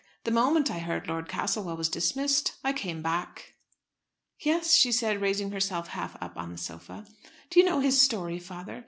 "The moment I heard Lord Castlewell was dismissed, I came back." "Yes," said she, raising herself half up on the sofa. "Do you know his story, father?